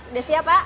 udah siap pak